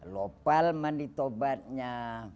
lopal mandi taubatnya